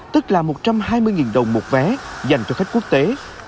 tức là một trăm hai mươi đồng một vé dành cho khách quốc tế